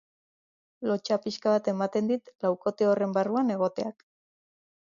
Lotsa pixka bat ematen dit laukote horren barruan egoteak.